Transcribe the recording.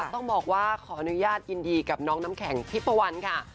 ต้องบอกว่าขออนุญาตยินดีกับน้องน้ำแข็งทิปะวันค่ะ